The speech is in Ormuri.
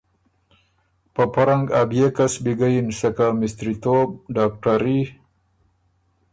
په پۀ رنګ ا بيې کسبي ګۀ یِن سکه مِستری توب، ډاکټري،